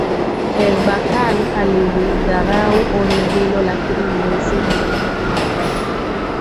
Erbakan alilidharau onyo hilo lakini miezi minne baadae